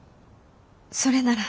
それなら。